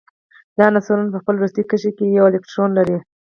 دا عنصرونه په خپل وروستي قشر کې یو الکترون لري.